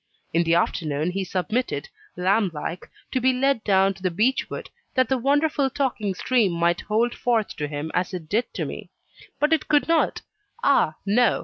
In the afternoon he submitted, lamb like, to be led down to the beech wood that the wonderful talking stream might hold forth to him as it did to me. But it could not ah, no!